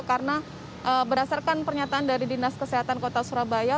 karena berdasarkan pernyataan dari dinas kesehatan kota surabaya